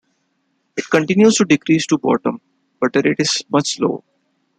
It continues to decrease to the bottom, but the rate is much slower.